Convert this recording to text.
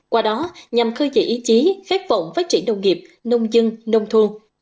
qua đó nhằm khơi dậy ý chí khát vọng phát triển nông nghiệp nông dân nông thôn